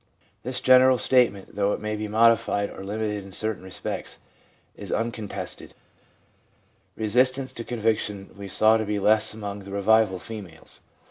This general statement, though it may be modified or limited in certain respects, is un contested/ l Resistance to conviction we saw to be less among the revival females.